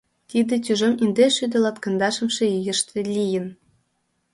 Тиде тӱжем индеш шӱдӧ латкандашымше ийыште лийын.